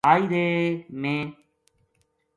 ہائی رے ! میں